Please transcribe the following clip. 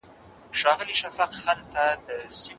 آیا ماشومان هم د دې وېروس له امله په سختۍ ناروغه کېږي؟